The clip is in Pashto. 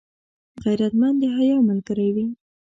غیرتمند د حیا ملګری وي